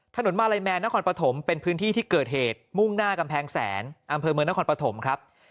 มาลัยแมนนครปฐมเป็นพื้นที่ที่เกิดเหตุมุ่งหน้ากำแพงแสนอำเภอเมืองนครปฐมครับ